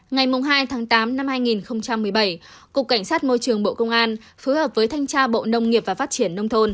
ngày hai tháng tám năm hai nghìn một mươi bảy cục cảnh sát môi trường bộ công an phối hợp với thanh tra bộ nông nghiệp và phát triển nông thôn